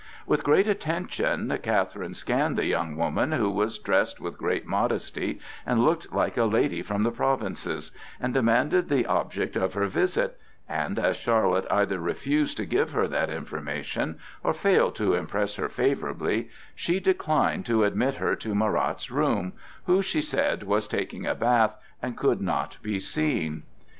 With great attention Catherine scanned the young woman, who was dressed with great modesty and looked like a lady from the provinces, and demanded the object of her visit, and as Charlotte either refused to give her that information or failed to impress her favorably, she declined to admit her to Marat's room, who, she said, was just taking a bath and could not be seen.